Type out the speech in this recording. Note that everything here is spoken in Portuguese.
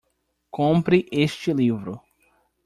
Compre este livro